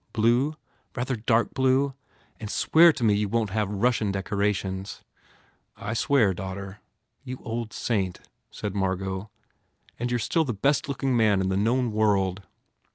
Blue? Rather dark blue? And swear to me that you won t have Russian decorations 1" "I swear, daughter." "You old saint," said Margot, "and you re still the best looking man in the known world!"